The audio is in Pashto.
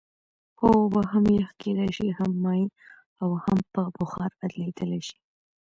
هو اوبه هم یخ کیدای شي هم مایع او هم په بخار بدلیدلی شي